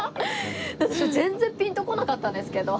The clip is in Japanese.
私も全然ピンとこなかったんですけど。